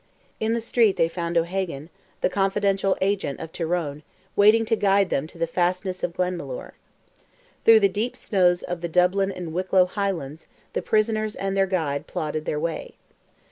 In the street they found O'Hagan, the confidential agent of Tyrone, waiting to guide them to the fastness of Glenmalure. Through the deep snows of the Dublin and Wicklow highlands the prisoners and their guide plodded their way.